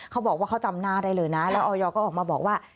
เขาบอกว่าเขาจำหน้าได้เลยนะแล้วออยก็ออกมาบอกว่า